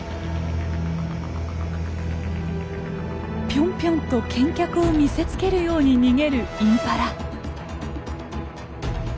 ぴょんぴょんと健脚を見せつけるように逃げるインパラ。